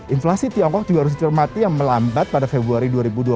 inflasi tiongkok juga harus dicermati yang melambat pada februari dua ribu dua puluh